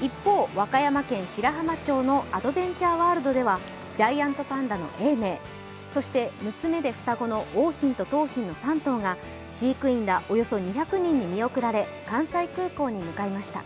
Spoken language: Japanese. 一方、和歌山県白浜町のアドベンチャーワールドでは、ジャイアントパンダの永明、そして娘で双子の桜浜と桃浜の３頭が飼育員らおよそ２００人に見送られ、関西空港に向かいました。